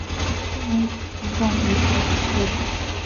经营品种以俄餐为主。